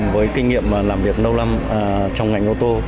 với kinh nghiệm làm việc lâu lắm trong ngành ô tô